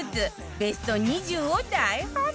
ベスト２０を大発表